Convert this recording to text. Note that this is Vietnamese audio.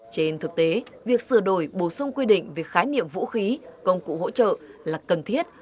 trên thực tế việc sửa đổi bổ sung quy định về khái niệm vũ khí công cụ hỗ trợ là cần thiết